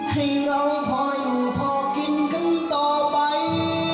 ให้เราค่อยพอกินกันต่อไป